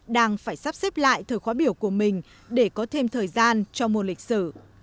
đang phải sắp xếp lại thời khóa biểu của mình để có thêm thời gian cho môn lịch sử